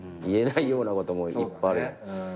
言えないようなこともいっぱいある。